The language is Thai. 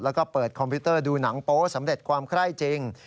แล้วก็เปิดคอมพิวเตอร์ดูหนังโป๊สำเร็จความไคร้จริง